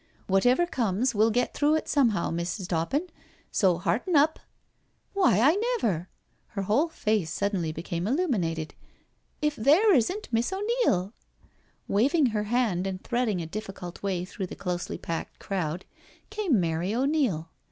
" Whatever comes we'll get through with it somehow. Miss' Toppin, so hearten up. Why, I never I "— her whole face suddenly became illu minated—'' if there isn't Miss O'Neill" Waving her hand and threading a difficult way through the closely packed crowd, came Mary O'Neil.